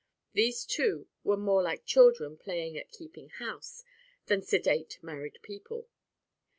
These two were more like children playing at "keeping house" than sedate married people.